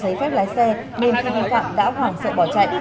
sau giấy phép lái xe đêm khi nguyên phạm đã hoảng sợ bỏ chạy